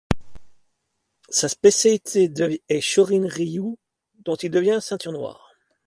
Sa spécialité est Shōrin-ryū dont il devient ceinture noir.